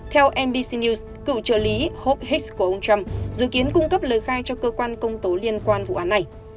theo nbc news cựu trợ lý hope hicks của ông trump dự kiến cung cấp lời khai cho cơ quan công tố liên quan vụ án này